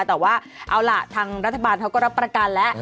แต่ว่าเอาล่ะทางรัฐบาลเขาก็รับประกันแล้ว